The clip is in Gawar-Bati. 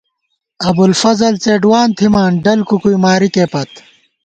ابُوالفضل څېڈوان تھِمان ڈلکُکُوئی مارِکےپت